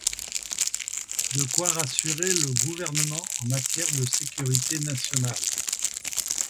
De quoi rassurer le gouvernement en matière de sécurité nationale.